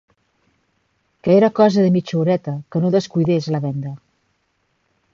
Que era cosa de mitja horeta, que no descuidés la venda